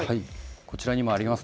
こちらにもあります